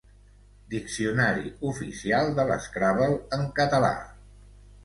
Diccionari oficial de l'Scrabble en català.